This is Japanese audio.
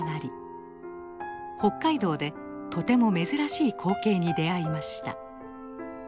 北海道でとても珍しい光景に出会いました。